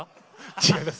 違います。